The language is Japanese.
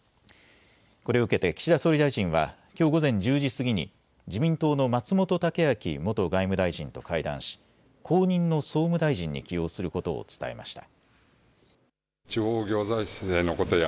これを受けて岸田総理大臣はきょう午前１０時過ぎに自民党の松本剛明元外務大臣と会談し後任の総務大臣に起用することを伝えました。